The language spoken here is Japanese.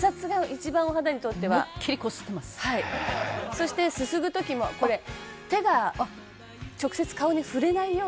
「そしてすすぐ時もこれ手が直接顔に触れないように洗ってます」